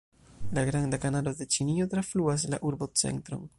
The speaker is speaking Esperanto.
La Granda Kanalo de Ĉinio trafluas la urbocentron.